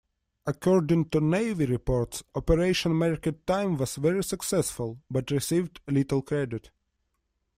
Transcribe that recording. According to Navy reports, Operation Market Time was very successful, but received little credit.